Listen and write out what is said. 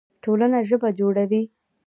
ټولنه ژبه جوړوي.